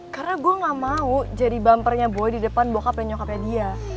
karena gue ga mau jadi bumpernya boy di depan bokap dan nyokapnya dia